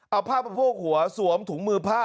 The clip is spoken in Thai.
เอาผ้ามาโพกหัวสวมถุงมือผ้า